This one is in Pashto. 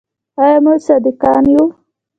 آیا موږ صادقان یو؟